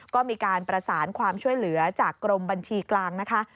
ก็มีการประสานความช่วยเหลือจากกรมบัญชีกลางนะคะ